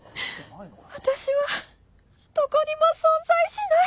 私はどこにも存在しない。